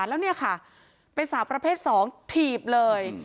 แล้วเนี่ยค่ะเป็นสาวประเภท๒ถีบเลย